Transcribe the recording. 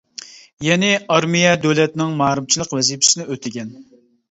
يەنى، ئارمىيە دۆلەتنىڭ مائارىپچىلىق ۋەزىپىسىنى ئۆتىگەن.